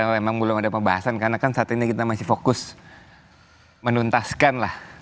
memang belum ada pembahasan karena kan saat ini kita masih fokus menuntaskan lah